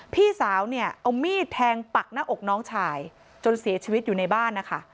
พี่สาวเนี่ยเอามีดแทงปักหน้าอกน้องชายจนเสียชีวิตอยู่ในบ้านนะคะ